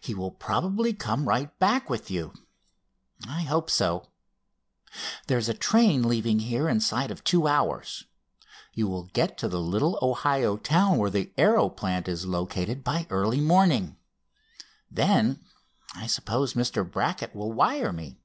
He will probably come right back with you. I hope so. There's a train leaving here inside of two hours. You will get to the little Ohio town where the Aero plant is located by early morning. Then, I suppose, Mr. Brackett will wire me."